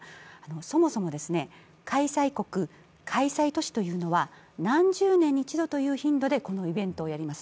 そもそも開催国、開催都市というのは何十年に一度という頻度でこのイベントをやります。